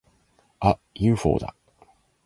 あっ！ユーフォーだ！